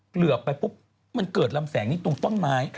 เหลือไปปุ๊บมันเกิดลำแสงนี้ตรงต้นไม้